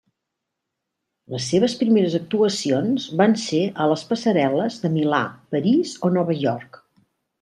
Les seves primeres actuacions van ser a les passarel·les de Milà, París o Nova York.